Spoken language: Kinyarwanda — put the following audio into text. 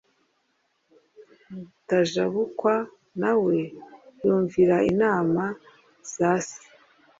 Mutajabukwa nawe yumvira inama za se